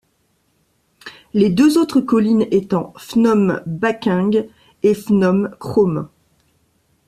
Les deux autres collines étant Phnom Bakheng et Phnom Krom.